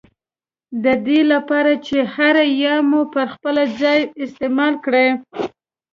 ددې له پاره چي هره ي مو پر خپل ځای استعمال کړې